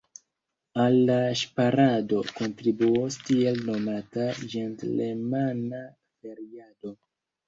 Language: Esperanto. Al la ŝparado kontribuos tiel nomata ĝentlemana feriado.